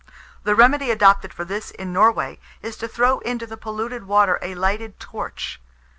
The remedy adopted for this in Norway, is to throw into the polluted water a lighted torch.